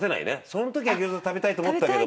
その時は餃子食べたいと思ったけど。